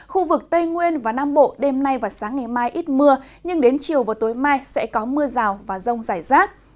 khu vực tây nguyên và nam bộ đêm nay và sáng ngày mai ít mưa nhưng đến chiều và tối mai sẽ có mưa rào và rông rải rác